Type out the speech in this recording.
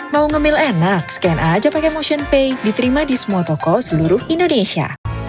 mau nge mail enak scan aja pake motionpay diterima di semua toko seluruh indonesia